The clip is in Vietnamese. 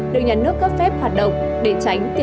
được nhắn nước cấp phép lưu hành